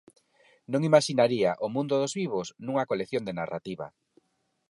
Non imaxinaría "O mundo dos vivos" nunha colección de narrativa.